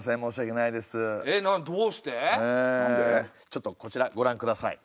ちょっとこちらご覧下さい。